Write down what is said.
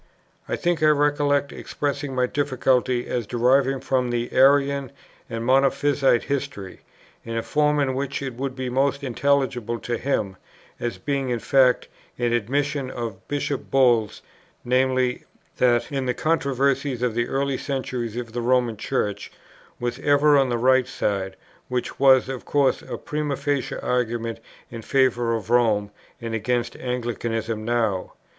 I think I recollect expressing my difficulty, as derived from the Arian and Monophysite history, in a form in which it would be most intelligible to him, as being in fact an admission of Bishop Bull's; viz. that in the controversies of the early centuries the Roman Church was ever on the right side, which was of course a primâ facie argument in favour of Rome and against Anglicanism now.